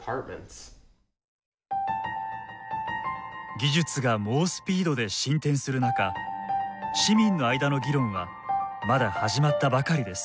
技術が猛スピードで進展する中市民の間の議論はまだ始まったばかりです。